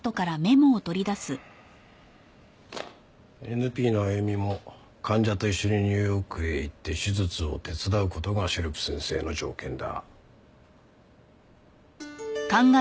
ＮＰのアユミも患者と一緒にニューヨークへ行って手術を手伝う事がシェルプ先生の条件だ。